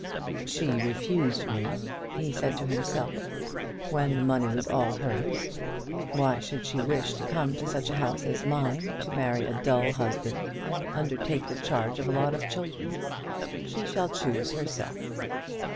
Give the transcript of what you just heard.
"She refused me," he said to himself, "when the money was all hers. Why should she wish to come to such a house as mine, to marry a dull husband and undertake the charge of a lot of children? She shall choose herself."